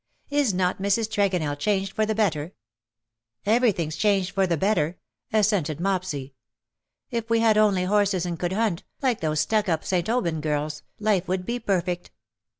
Is not Mrs. Tregonell changed for the better ?'^'^ Everything's changed for the better/' assented Mopsy. " If we had only horses and could hunt, like those stuck up St. Aubyn girls_, life would be perfect.'''